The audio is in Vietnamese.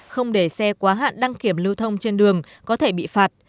không để xe quá hạn đăng kiểm lưu thông trên đường có thể bị phạt